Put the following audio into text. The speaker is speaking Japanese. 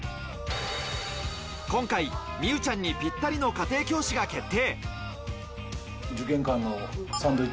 今回、美羽ちゃんにぴったりの家庭教師が決定。